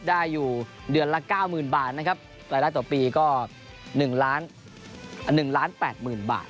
ได้อยู่เดือนละเก้ามื่นบาทนะครับรายละต่อปีก็หนึ่งล้านหนึ่งล้านแปดหมื่นบาท